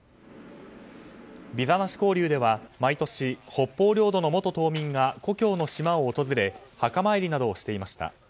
ビザなし交流では毎年北方領土の元島民が故郷の島を訪れ墓参りなどをしていました。